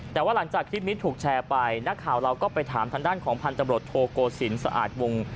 แต่ว่าหลังจากคลิปนี้ถูกแชร์ไปนักข่าวเราก็ไปถามทางด้านของพันธบรวจโทโกศิลปะอาดวง